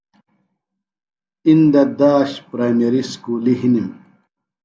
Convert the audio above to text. اِندہ داش پرائمیریۡ اُسکُلیۡ ہِنِم ۔